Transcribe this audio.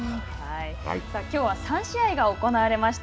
きょうは３試合が行われました。